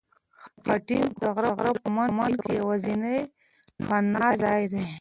خټین کور د غره په لمن کې یوازینی پناه ځای دی.